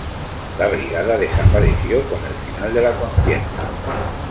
La brigada desapareció con el final de la contienda.